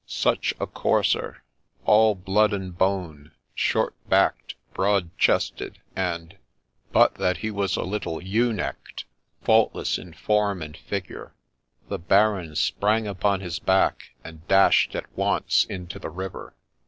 Such a courser ! all blood and bone, short backed, broad chested, and — but that he was a little ewe necked — fault less in form and figure. The Baron sprang upon his back, and dashed at once into the river.